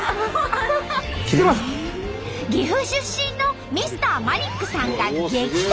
岐阜出身のＭｒ．マリックさんが激突！